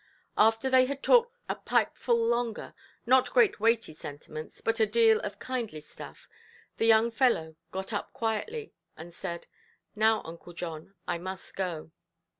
After they had talked a pipeful longer, not great weighty sentiments, but a deal of kindly stuff, the young fellow got up quietly, and said, "Now, Uncle John, I must go".